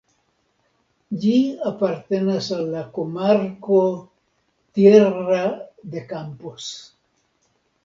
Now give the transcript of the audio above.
Ĝi apartenas al la komarko "Tierra de Campos".